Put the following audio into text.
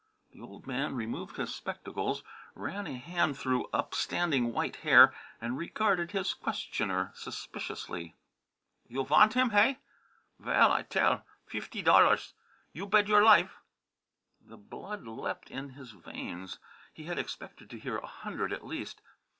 The old man removed his spectacles, ran a hand through upstanding white hair, and regarded his questioner suspiciously. "You vant him, hey? Vell, I tell. Fifdy dollars, you bed your life!" The blood leaped in his veins. He had expected to hear a hundred at least.